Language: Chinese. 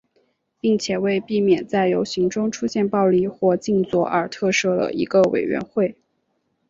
并且为避免在游行中出现暴力或静坐而特设了一个委员会。